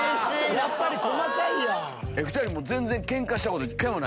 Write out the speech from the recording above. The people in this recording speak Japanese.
やっぱり細かいやん！